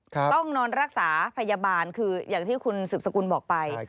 ต้องนอนรักษาพยาบาลคืออย่างที่คุณสืบสกุลบอกไป